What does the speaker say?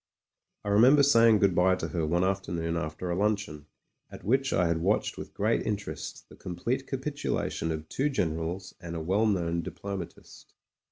I remember saying good bye to her one afternoon after a luncheon, at which I had watched with great interest the complete capitulation of two generals and a well known diplomatist.